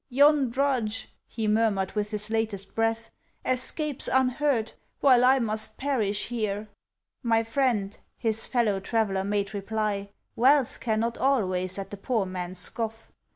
Yon drudge," he murmured with his latest breath, "Escapes unhurt, while I must perish here!" "My friend," his fellow traveller made reply, "Wealth cannot always at the poor man scoff.